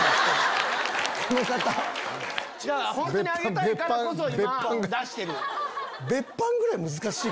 本当にありがたいからこそ今出してる。